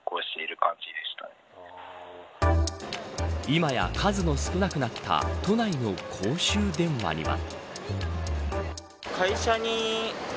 今や、数の少なくなった都内の公衆電話には。